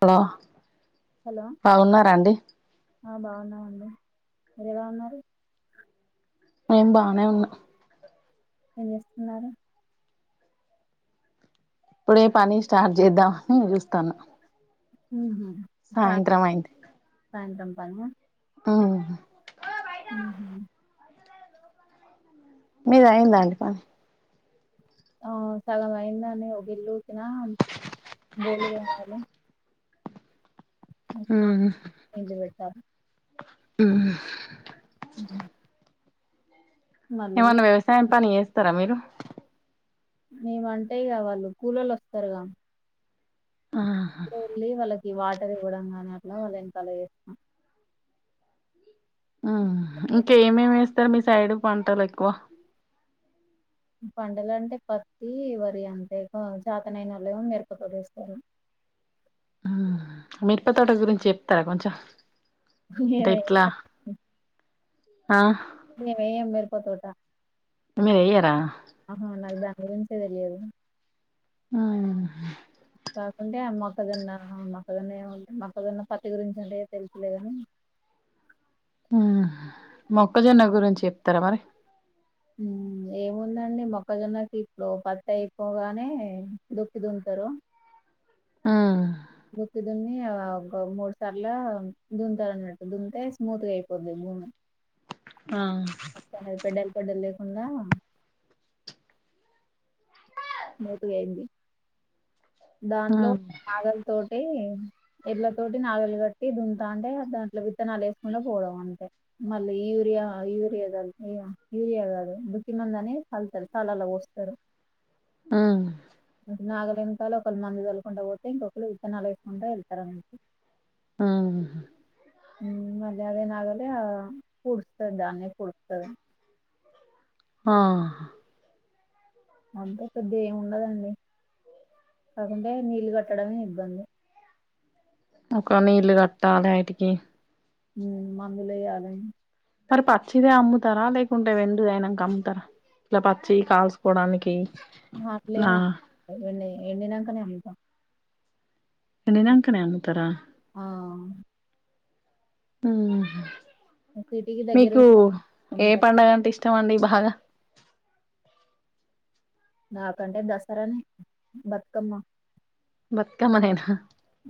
Hello hello బాగున్నారా అండి ఆ బాగున్నామండి మీర్ ఎలా ఉన్నారు మేమ్ బానే వున్నా ఎం చేస్తున్నారు ఇప్పుడే పని స్టార్ట్ చేద్దాం అని చూస్తాన్నా హ సాయంత్రం అయింది సాయంత్రం పనా అవు ఉహ మీదయిందాండి పని ఆ సగం అయిందండి ఒక ఇల్లు ఊకిన బోలు తోమాలే ఉమ్ ఐదు పెట్టాలి ఆ బ ఏమన్నా వ్యవసాయం పని జేస్తర మీరు మేము అంటే ఇగ వాళ్లు కూలొల్లు వస్తారుగా ఆహా వెళ్లి వాళ్ళకి వాటర్ ఇవ్వడం గాని అట్లా వాళ్ళ వెనకల జేస్తం ఆహా ఇంకేమేమి యేస్తరు మీ సైడ్ పంటలు ఎక్కువ పంటలంటే పత్తి వరి అంతే క చాతనైనోలేమో మిరపతోటేస్తారు హా మిరప తోట గురించి చెప్తారా కొంచెం అంటే మేమే ఎట్లా ఆ మేమ్ ఎయ్యం మిరపతోట మీరెయరా ఆహా నాక్ దాని గురించే తెలియదు ఆ కాకుంటే అ మొక్కజొన్న మొక్కజొన్న ఏమంటే మొక్కజొన్న పత్తి గురించి అంటే తెల్స్లెగాని మొక్కజొన్న గురించి చెప్తారా మరి ఏముందండి మొక్కజొన్నకి ఇప్పుడు పత్తి అయిపోగానే దుక్కి దున్తరు ఆ దుక్కి దున్ని ఒక మూడు సార్ల దున్తారన్నట్టు దున్తె స్మూత్ గయిపోద్ది భూమి ఆ పెడ్డెల్ పెడ్డెల్ లేకుండా స్మూత్ గయింది దాంట్లో ఉమ్ నాగల్ తోటి ఎడ్ల తోటి నాగలు కట్టి దుంతాంటే దాంట్లో విత్తనాలు వేసుకుంట పోవడం అంతే మళ్ళీ యూరియా యూరియా చల్ యు యూరియా కాదు దుక్కి మందు అని చల్తరు చల్లల పోస్తరు ఆ నాగలేనుకాల ఒకళు మందు చల్కుంటు పోతే ఇంకొకళు విత్తనాలు వేసుకుంట ఎళ్తరు అన్నట్టు ఆ హా హ్మ్ మళ్ళ అదే నాగలి పూడుస్తది దాన్నే పూడపుతాదని ఆ అంత పెద్ద ఏమి ఉండదండి కాకుంటే నీళ్ళు కట్టడమే ఇబ్బంది ఒక నీల్ కట్టలే అయిటికి హ్మ్ మందులెయాలే మరి పచ్చిదే అమ్ముతారా లేకుంటే ఎండినవి అయినాక అమ్ముతారా ఇలా పచ్చి కాల్సుకోవడానికి. ఇట్లా అట్లేం అమ్మము ఎండినాక నే అమ్ముతాము. ఎండినాంకనే అమ్ముతారా? ఆ సిటీకి దగ్గర మీకు ఉన్న ఏ అమ్ముతారు పడుగ అంటే ఇష్టం అండి బాగా? నాకంటే దసరా, బతుకమ్మ బతుకమ్మనేనా?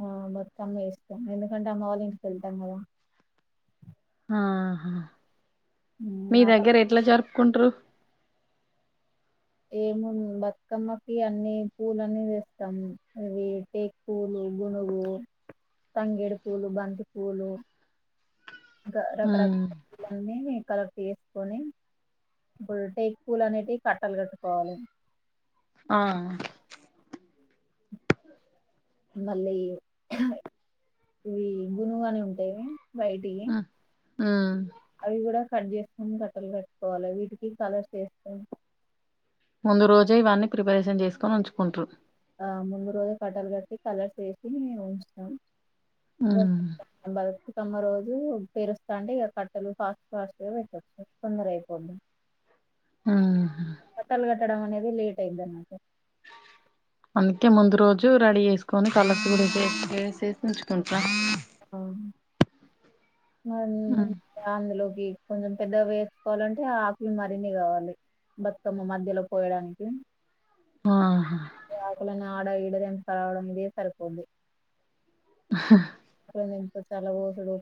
ఆ బతుకమ్మ చేస్తాం కదా ఎందుకంటే అమ్మావాళ్ళ ఇంటికి వెళ్తాం కదా. హా ఉమ్, మీ ఆ ప- దగ్గర ఎట్లా జరుపుకుంటారు? ఏముంది బతుకమ్మకి అన్నీ పూలన్నీ తెస్తాము అవి పూలు, గునుగు, తంగేడి పూలు, బంతి పూలు మ్మ్ రకరకాల పూలు అవన్నీ కలెక్ట్ చేసుకొని ఇప్పుడు టేక్ పూలు అనేటివి కట్టలు కట్టుకోవాలి. ఆ మళ్ళీ ఇవి గునుగని ఉంటాది. బయటి ఆ అవి కూడా కట్ చేసుకొని కట్టలు కట్టుకోవాలి. వీటికి కలర్స్ వేస్తాం. ముందు రోజే ఇవన్నీ ప్రిపరేషన్ చేసుకొని ఉంచుకుంటాము. ఆ ముందు రోజులు కట్టలు కట్టి కలర్స్ వేసి ఉంచుతాం. మ్మ్ బతుకమ్మ రోజు పేరుస్తా ఉంటే ఇక కట్టలు ఫాస్ట్ ఫాస్ట్ గా పెట్టొచ్చు తొందర అయిపోద్ది. ఆ కట్టలు కట్టడం అనేది లేట్ అయితాది. అందుకే ముందు రోజు రెడీ చేసుకొని కలర్స్ కూడా వేసి ఉంచుకుంటా. మ్ అది మ్మ్ అందులోకి కొంచెం పెద్దగా వేసు కోవాలంటే ఆకులు మరిన్ని కావాలి. బతుకమ్మ మధ్యలో పోయడానికి. ఆ ఆకుల్ని ఆడ ఇడా తెంపుకు రావడం ఇదే సరిపోతుంది. హ్ హా మేము ఎందుకో చాలా పోసుడు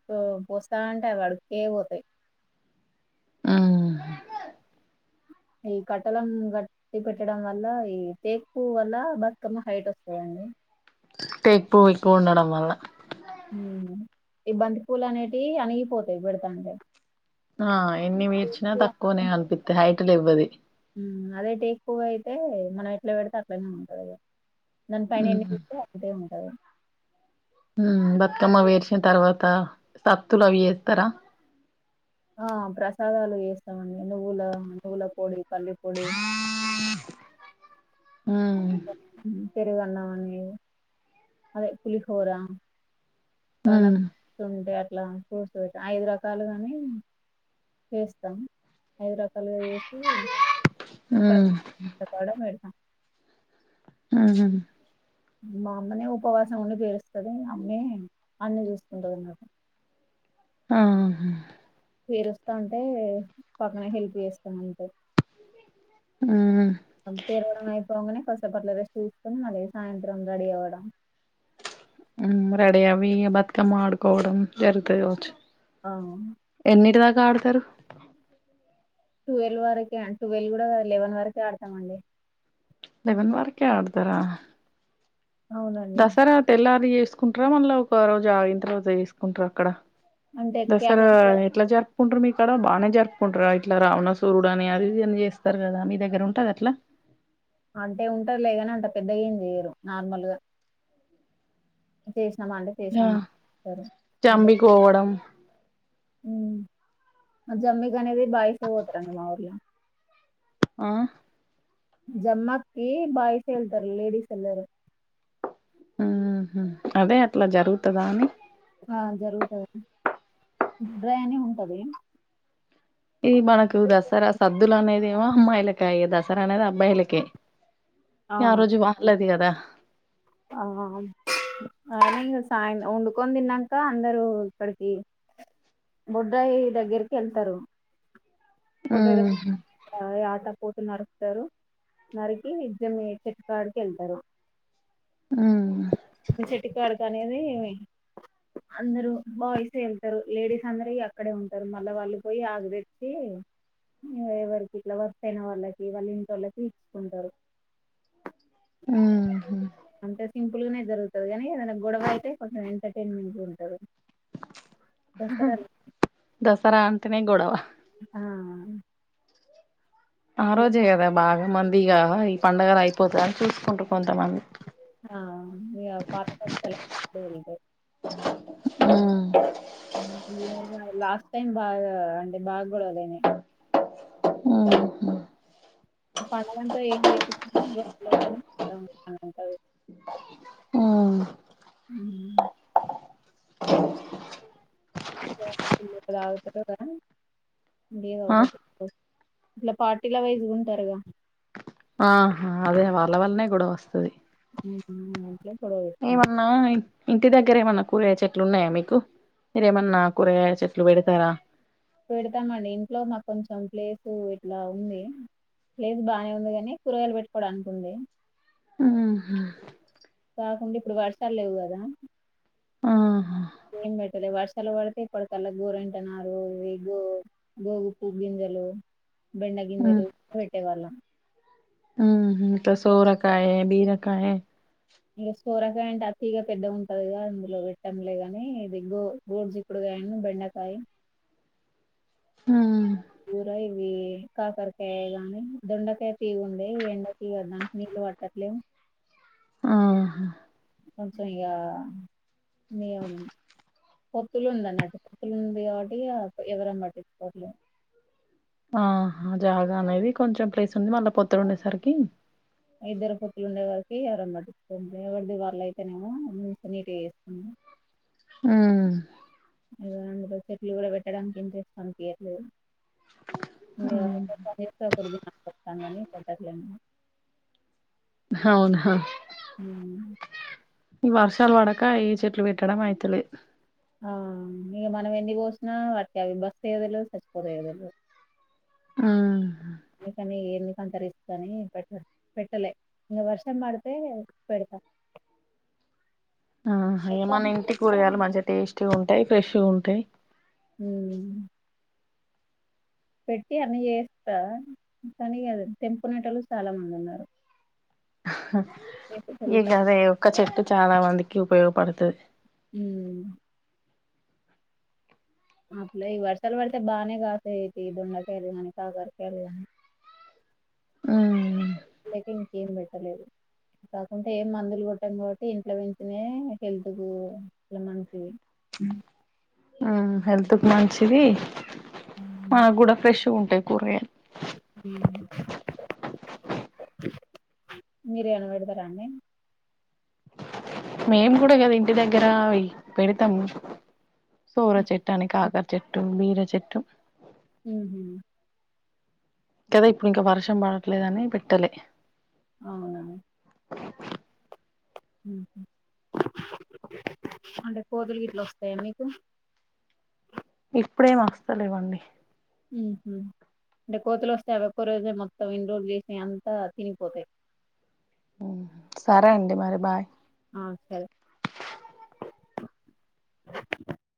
పోస్తా ఉంటే అవి అడుక్కే పోతాయి. ఆ ఈ కట్టలన్నీ గట్టి ఓత్తి పెట్టడం వల్ల ఈ టెకు వల్ల బతుకమ్మ హైట్ వస్తదండి. టేక్ పూవు ఎక్కువ ఉండడం వల్ల. యూ ఈ బంతి పూలు అనేవి అనిగిపోతాయి పెడతాంటే. ఆ ఎన్ని పేర్చినా తక్కువనే కనిపిస్తాయి. హైట్ లేయవు కదా ఇవి అదే టేకు పూవు అయితే మనం ఎట్లా పెడితే అట్లనే ఉంటది. దాని పైన ఎన్ని ఉమ్ పెట్టిన ఒక్కటే ఉంటది. మ్ బతుకమ్మ అవి పేర్చిన తర్వాత సద్దులు అవి ఎత్తుతారా? ఆ ప్రసాదాలు చేస్తామండి నువ్వుల నువ్వుల పొడి పల్లీ పొడి ఆ పెరుగన్నమని, అదే పులిహోర ఉమ్ అట్లా ఫ్రూట్స్ పెట్టీ అయిదు రకాలు గానీ వేస్తాం ఐదు రకాలుగా చేసి ఊహూ పొడ పెడతా ఆహా మా అమ్మనే ఉపవాసం ఉండి పేరుస్తది అమ్మే అన్నీ చూసుకుంటది అన్నట్టు ఆహా పేరుస్తా ఉంటే పక్కన హెల్ప్ చేస్తాం అంతే అవునా అమ్ పేరవడం అయిపోంగనే కాసేపు అట్ల రెస్ట్ తీసుకుని మళ్లీ సాయంత్రం రెడీ అవ్వడం ఉమ్ రెడీ అవి బతుకమ్మ ఆడుకోవడం జరుగుతది కావచ్చు అవు ఎన్నిటి దాకా ఆడుతారు టువల్వ్ వరకే టువెల్ కూడా లెవెన్ వరకే ఆడుతామండి లెవెన్ వరకే ఆడుతరా అవునండి దసరా తెల్లారి చేసుకుంటరా మల్ల ఒక రోజు ఆగిన తరువాత చేసుకుంటరా అక్కడ అంటే క్యా దసరా ఎట్ల జరు కుంటారు మీ కాడ బానే జరుపుకుంటరా ఇట్ల రావణాసురుడు అని అది ఇది అని చేస్తారు కదా మీ దగ్గర ఉంటదా అట్లా అంటే ఉంటారులే గానీ అంత పెద్దగా ఏం చెయ్యరు నార్మల్ గా చేసినాము అంటే చేసినామం టారు అంటే పోవడం ఊ ఆ జమ్మి గనేది బాయ్స్ యే పోతారండి మా ఊర్ల ఆ జమ్మి ఆకుకి బాయ్స్ యే ఎళ్తారు లేడీస్ ఎళ్లరు అదే అట్లా జరుగుతదా అని ఆ జరుగుతాది [inaudible] డ్రాయి అని ఉంటది ఇది మనకు దసరా సద్దులు అనేది ఏమో అమ్మాయిలకాయె దసరా అనేది అబ్బాయిలకే ఆ ఆరోజు వాహ్ళది కదా ఆం అరన ఇగ సాయం వొండుకొని తిన్నాంక అందరూ ఇక్కడికి బొడ్రాయి దగ్గరికి ఎళ్తరు బొడ్రాయి ఉహు దగ్గిర యాట పోతుని నరుకుతారు నరికి జమ్మి చెట్టు కాడికి వెళ్తారు ఉమ్ చెట్టు కాడకి అనేది అందరూ బాయ్సే ఎళ్తారు లేడీస్ అందరీ అక్కడే ఉంటారు మళ్ళా వాళ్ళు పోయి ఆకు తెచ్చి ఎవ్వరికి ఇట్లా వర్సయిన వాళ్ళకి వాళ్ళ ఇంటోళ్ళకి ఇచ్చుకుంటారు ఊహూ అంటే సింపుల్ గానే జరుగుతుది కానీ ఏదైనా గొడవ అయితే కొంచెం ఎంటర్టైన్మెంట్ ఉంటది దసరా దసరా అంటేనే గొడవ ఆ ఆ రోజే కదా బాగా మందిగా ఈ పండగలైపోతదని చూసుకుంటూ కొంతమంది అవును ఇగ పాత [inaudible] [inaudible] లాస్ట్ టైం బాగా అంటే బాగా గొడవలయినయి ఊహూ పగలంతా ఏం చేయరు [inaudible] అని ఉంటది ఉమ్ ఊ ఊ [inaudible] ఆ లే పార్టీల పోయ్ గుజున్టారుగా ఆహా అదే వాళ్ళ వల్లనే గొడవ వస్తది ఊహు [inaudible] ఆ ఇంటి దగ్గర ఏమన్నా కూరగాయ్ చెట్లు ఉన్నాయా మీకు మీరేమన్నా కూరగాయ చెట్లు పెడతారా పెడతామండి ఇంట్లో మాకు కొంచెం ప్లేసు ఇట్లా ఉంది ప్లేసు బానే ఉందిగాని కూరగాయలు పెట్టుకోవడాకుంది ఊహు కాకుండా ఇప్పుడు వర్షాలు లేవు గదా ఆహా ఏం పెట్టలే వర్షాలు పడితే ఇప్పడు కల్ల గోరంటన్నారు ఇగ్గు గోగు పూ గింజలు బెండ ఉ గింజలు వెట్టేవాళ్ళం త సోరకాయ బీరకాయ ఇంగ సోరకాయ అంటే అతిగా పెద్దగుంటది గదా అందులో పెట్టంలేగాని ఇదిగ్గో బోడ్జికుడుకాయను బెండకాయ ఊ కూర ఇవి కాకరకాయ గానీ దొండకాయ తీగుండే ఎండకి ఇగ దానికి నీళ్ళు పట్ట టట్లే ఆహా కొంచెం ఇగా మీ అవు పొత్తులు ఉంది అన్నట్టు పొత్తులు ఉంది కాబట్టి ఇగ ఎవరేం పట్టించుకోట్లే ఆహా జాగా అనేది కొంచెం ప్లేస్ ఉంది మళ్ళా పొత్తడు ఉండేసరికి ఇద్దరం కొడుకుల్ ఉండే వారికి ఎరంబట్టిస్తుంది ఎవరిది వాల్ అయితేనేమో మ [inaudible] నీటిగ చేస్తుము ఊ ఇగ అందులో చెట్లు కూడా పెట్టడానికి ఇంట్రెస్ట్ అనిపియట్లేద్ ఇగ ఒకరు పనిచేస్తే ఒకరు తినాల్సిస్తుందని [inaudible] అవునా ఊ ఈ వర్షాలు బడక ఈ చెట్లు పెట్టడం అయితలేద్ ఆ ఇగ మనం ఎన్ని గోసినా వాటికి అవి బతుకుతాయో తెల్వద్ సచ్చిపోతాయో తెల్వద్ ఆ అందుకనే ఎందుకుంత రిస్క్ అని పెట్ట పెట్టలే ఇంగ వర్షం పడితే పెడతాం ఆ ఇగ మన ఇంటి కూరగాయలు మంచిగా టేస్ట్గా ఉంటాయ్ ఫ్రెష్యుగుంటాయ్ ఊమ్ పెట్టి అన్నీ జేస్తా కానీ యదు తెంపుకునేటోళ్లు చాలా మంది ఉన్నారు చేసేటోళ్ళు ఇక తక్కువ అదే ఒక్క చెట్టు చాలా మందికి ఉపయోగపడుతది ఊమ్ అప్లై ఈ వర్షలు పడితే బానే గాస్తాయ్ తీ దొండకాయలు గాని కాకరకాయలు గాని ఊమ్ లేకింకేం పెట్టలేదు కాకుంటే ఏం మందులు కొట్టం కాబట్టి ఇంట్లో పెంచినవే హెల్త్ కు ఇట్ల మంచివి ఉ ఉ హెల్త్ కు మంచిది మనకు గూడా ఫ్రెష్ గుంటాయ్ కూరగాయలు ఉ మీరేమన్న పెడతారాండి మేము కూడా కదా ఇంటి దగ్గర అవి పెడతాము సూర చెట్ట్ తన కాగర్ చెట్టు బీరచెట్టు మ్ కదే ఇప్పుడు ఇంక వర్షం పడట్లేదని పెట్టాలే అవునా అంటే కోతులు గట్లా వస్తాయా మీకు ఇప్పుడేం వస్తలేవండి ఉహ అంటే కోతలు వస్తే అవి ఒక్క రోజే మొత్తం ఇన్రోజ చేసి అంతా తినిగిపోతాయి సరే అండి మరి బాయ్ ఆ సరే